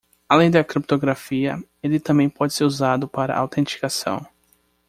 Além da criptografia?, ele também pode ser usado para autenticação.